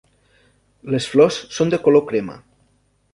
Les flors són de color crema.